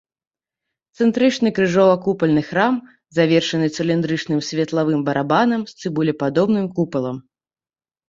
Цэнтрычны крыжова-купальны храм, завершаны цыліндрычным светлавым барабанам з цыбулепадобным купалам.